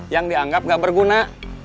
yang dianggap gak berguna